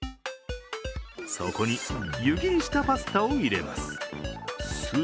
そこに、湯切りしたパスタを入れます。